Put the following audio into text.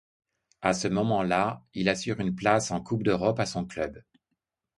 À ce moment-là, il assure une place en coupe d'Europe à son club.